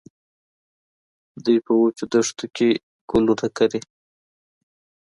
دوی په وچو دښتو کې ګلونه کري.